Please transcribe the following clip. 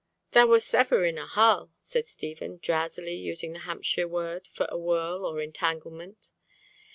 "Thou wast ever in a harl," said Stephen, drowsily using the Hampshire word for whirl or entanglement.